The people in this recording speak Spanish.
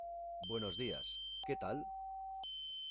Buenos días, ¿qué tal?